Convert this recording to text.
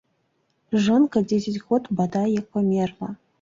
Жонка дзесяць год, бадай, як памерла.